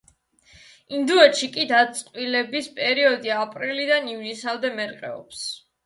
ინდოეთში კი დაწყვილების პერიოდი აპრილიდან ივნისამდე მერყეობს.